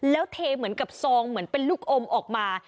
แล้วเทเหมือนกับซองเหมือนเป็นลูกอมออกมา